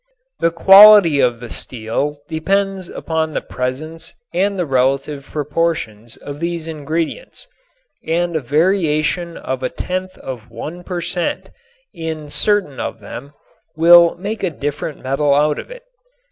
The quality of the steel depends upon the presence and the relative proportions of these ingredients, and a variation of a tenth of 1 per cent. in certain of them will make a different metal out of it.